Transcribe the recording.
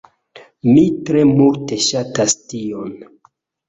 Mi tre multe ŝatas tion.